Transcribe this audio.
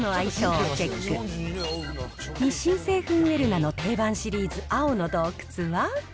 ウェルナの定番シリーズ、青の洞窟は。